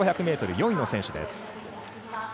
１５００ｍ４位の選手です。